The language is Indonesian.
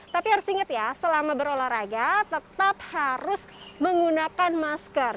tapi harus ingat ya selama berolahraga tetap harus menggunakan masker